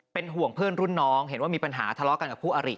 เป็นห่วงเพื่อนรุ่นน้องเห็นว่ามีปัญหาทะเลาะกันกับคู่อริ